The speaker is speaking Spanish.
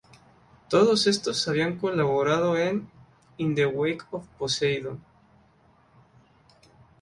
Todos estos habían colaborado en "In the Wake of Poseidon".